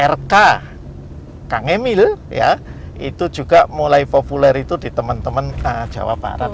rk kang emil itu juga mulai populer itu di teman teman jawa barat